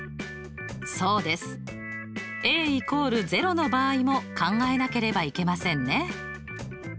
そうです。＝０の場合も考えなければいけませんね。